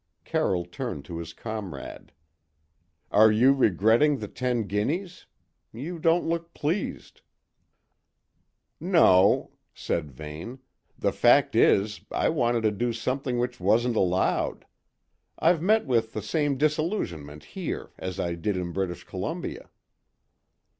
Carroll turned to his comrade. "Are you regretting the ten guineas? You don't look pleased." "No," said Vane; "the fact is, I wanted to do something which wasn't allowed. I've met with the same disillusionment here as I did in British Columbia."